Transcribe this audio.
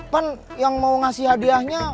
pan yang mau ngasih hadiahnya